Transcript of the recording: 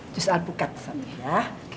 jus alpukat satu ya